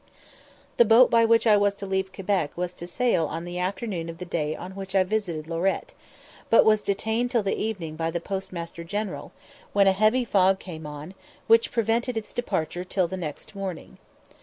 The boat by which I was to leave Quebec was to sail on the afternoon of the day on which I visited Lorette, but was detained till the evening by the postmaster general, when a heavy fog came on, which prevented its departure till the next morning.